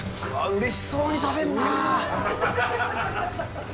うれしそうに食べるな。